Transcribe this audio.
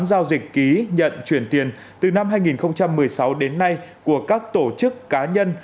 giao dịch ký nhận chuyển tiền từ năm hai nghìn một mươi sáu đến nay của các tổ chức cá nhân